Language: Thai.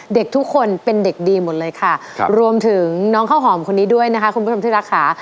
เด็กทุกคนเป็นเด็กดีหมดเลยค่ะรวมถึงน้องข้าวหอมคนนี้ด้วยนะคะคุณผู้ชมที่รักค่ะ